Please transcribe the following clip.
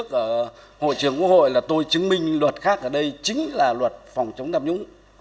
chứng minh luật khác ở đây chính là luật phòng chống tham nhũng